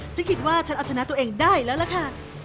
ฉันคิดว่าฉันเอาชนะตัวเองได้แล้วล่ะค่ะ